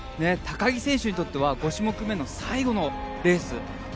高木選手にとっては５種目めの最後のレース。